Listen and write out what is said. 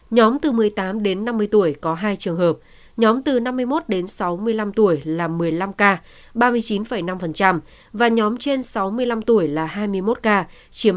nhóm từ một mươi tám đến năm mươi tuổi có hai trường hợp nhóm từ năm mươi một đến sáu mươi năm tuổi là một mươi năm ca ba mươi chín năm và nhóm trên sáu mươi năm tuổi là hai mươi một ca chiếm ba mươi